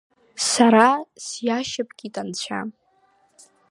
Сара сиашьапкит анцәа…